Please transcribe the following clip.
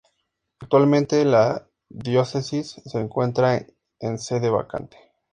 Actualmente la Diócesis se encuentra en Sede Vacante.